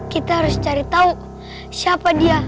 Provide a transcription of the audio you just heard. kita harus cari tahu siapa dia